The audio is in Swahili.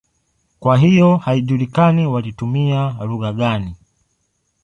Kwa hiyo haijulikani walitumia lugha gani.